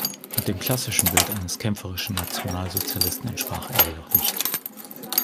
Dem klassischen Bild eines kämpferischen Nationalsozialisten entsprach er jedoch nicht.